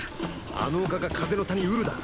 あの丘が風の谷ウルだ。